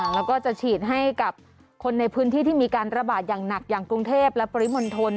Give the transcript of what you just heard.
แล้วก็จะฉีดให้กับคนในพื้นที่ที่มีการระบาดอย่างหนักอย่างกรุงเทพและปริมณฑล